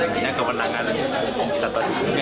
yang ini kemenangan satwa dilindungi